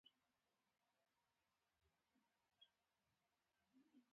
افغانستان د ستوني غرونه د ترویج لپاره پروګرامونه لري.